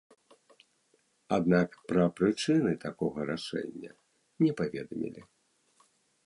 Аднак пра прычыны такога рашэння не паведамілі.